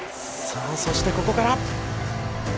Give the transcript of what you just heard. さあそしてここから。